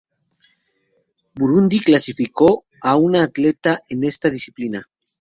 Burundi clasificó a una atleta en esta disciplina.